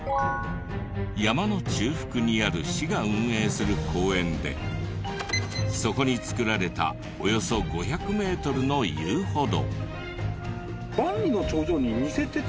山の中腹にある市が運営する公園でそこに造られたおよそ５００メートルの遊歩道。